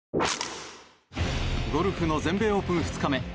ゴルフの全米オープン２日目。